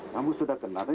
kamu sudah kenal